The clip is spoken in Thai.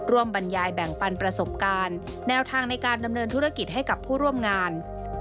บรรยายแบ่งปันประสบการณ์แนวทางในการดำเนินธุรกิจให้กับผู้ร่วมงาน